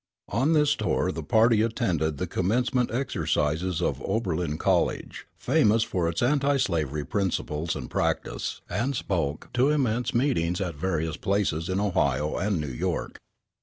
On this tour the party attended the commencement exercises of Oberlin College, famous for its anti slavery principles and practice, and spoke to immense meetings at various places in Ohio and New York.